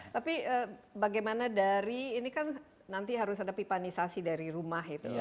tapi bagaimana dari ini kan nanti harus ada pipanisasi dari rumah itu